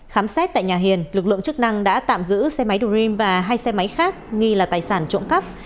khám xét tại nhà hiền lực lượng chức năng đã tạm giữ xe máy đream và hai xe máy khác nghi là tài sản trộm cắp